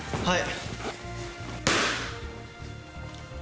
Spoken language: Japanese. はい！